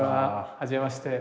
はじめまして。